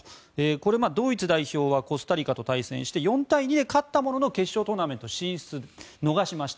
これ、ドイツ代表はコスタリカと対戦して４対２で勝ったものの決勝トーナメント進出を逃しました。